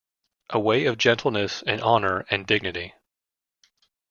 A way of gentleness and honor and dignity.